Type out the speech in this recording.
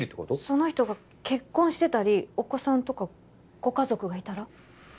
その人が結婚してたりお子さんとかご家族がいたら？